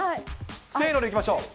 せーのでいきましょう。